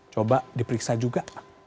coba diperiksa juga